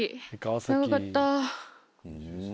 長かった。